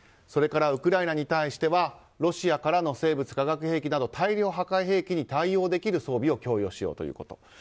それからウクライナに対してはロシアからの生物・化学兵器など大量破壊兵器に対応できる装備を供与しようということ。